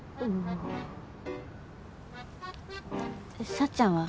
幸ちゃんは？